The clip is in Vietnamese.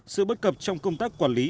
sự bất cập trong công tác quản lý